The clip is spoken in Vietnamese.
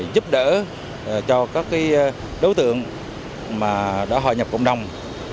giúp đỡ cho các đối tượng đã hòa nhập cộng đồng